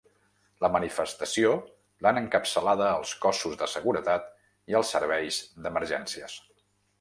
La manifestació, l’han encapçalada els cossos de seguretat i els serveis d’emergències.